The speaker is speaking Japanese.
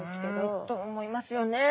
んと思いますよね！